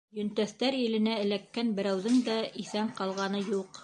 «Йөнтәҫтәр иле»нә эләккән берәүҙең дә иҫән ҡалғаны юҡ.